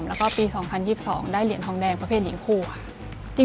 แล้วก็ปี๒๐๒๒ได้เหรียญทองแดงประเภทหญิงคู่ค่ะ